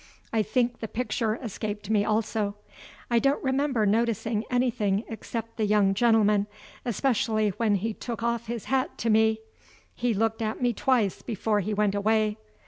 I think the picture escaped me also; I don't remember noticing anything except the young gentleman, especially when he took off his hat to me. He looked at me twice before he went away.